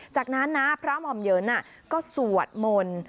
จากนั้นพระอำเยินก็สวดหมล